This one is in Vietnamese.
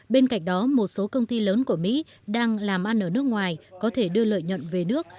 bên cạnh đó một số công ty lớn của mỹ đang làm ăn ở nước ngoài có thể đưa lợi nhuận về nước